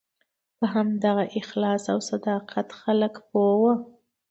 په همدغه اخلاص او صداقت خلک پوه وو.